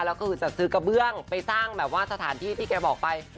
เราก็จะซื้อกระเบื้องไปสร้างสถานที่ที่แกบอกไป